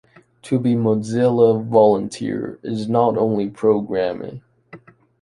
To be Mozilla volunteer is not only programming